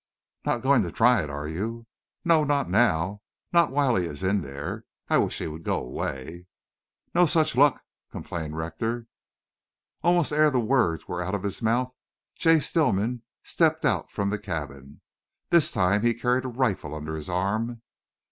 "Not going to try it, are you?" "No, not now. Not while he is in there. I wish he would go away." "No such luck," complained Rector. Almost ere the words were out of his mouth Jay Stillman stepped out from the cabin. This time he carried a rifle under his arm.